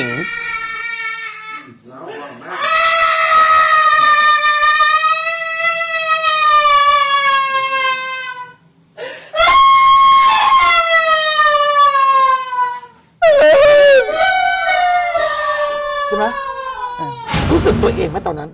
รู้สึกตัวเองมั้ยตอนนั้น